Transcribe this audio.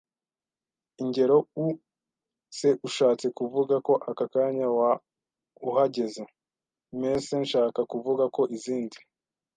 Ingero Uu se ushatse kuvuga ko aka kanya wa uhageze Mese nshaka kuvuga ko izindi